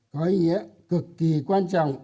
có ý nghĩa cực kỳ quan trọng